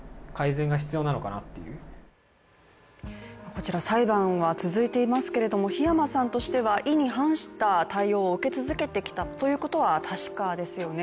こちら、裁判は続いていますけれども火山さんとしては意に反した対応を受け続けてきたということは確かですよね。